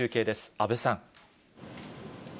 阿部さん。